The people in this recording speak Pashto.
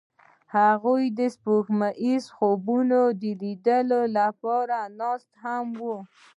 هغوی د سپوږمیز خوبونو د لیدلو لپاره ناست هم وو.